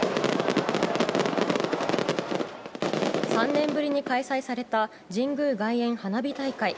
３年ぶりに開催された神宮外苑花火大会。